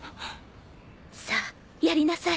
さあやりなさい。